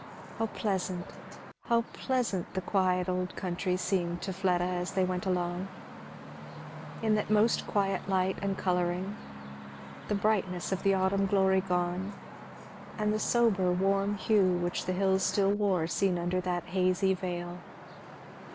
How pleasant, how pleasant, the quiet old country seemed to Fleda as they went long! in that most quiet light and colouring; the brightness of the autumn glory gone, and the sober warm hue which the hills still wore seen under that hazy veil.